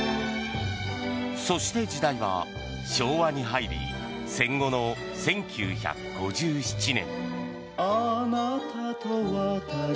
そして、時代は昭和に入り戦後の１９５７年。